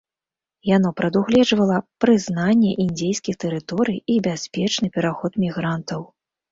Яно прадугледжвала прызнанне індзейскіх тэрыторый і бяспечны пераход мігрантаў.